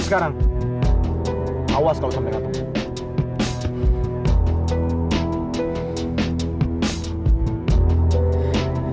sekarang awas kalau sampai jumpa kamu